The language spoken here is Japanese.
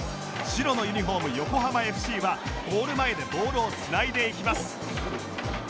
白のユニホーム横浜 ＦＣ はゴール前でボールを繋いでいきます